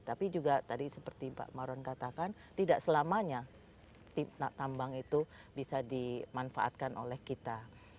tapi juga tadi seperti pak maron katakan tidak selamanya tambang itu bisa dimanfaatkan oleh kita